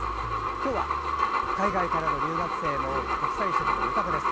今日は、海外からの留学生も多く国際色も豊かです。